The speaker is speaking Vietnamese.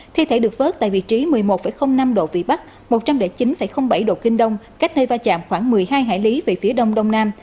thi thể được vớt tại vị trí một mươi một năm độ vĩ bắc một trăm linh chín bảy độ kinh đông cách nơi vai chạm khoảng một mươi hai hải lý về phía đông đông nam